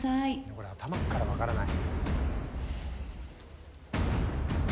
これ頭っから分からない。